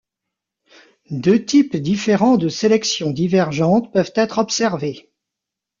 Deux types différents de sélection divergente peuvent être observés.